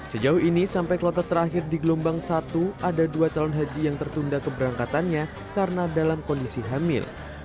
sejauh ini sampai kloter terakhir di gelombang satu ada dua calon haji yang tertunda keberangkatannya karena dalam kondisi hamil